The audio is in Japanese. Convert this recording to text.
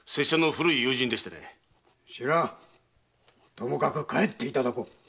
ともかく帰っていただこう。